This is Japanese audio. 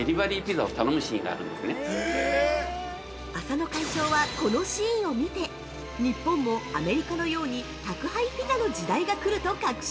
◆淺野会長はこのシーンを見て日本もアメリカのように宅配ピザの時代が来ると確信。